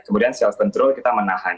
kemudian self control kita menahan